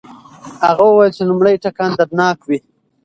هغه وویل چې لومړی ټکان دردناک وي.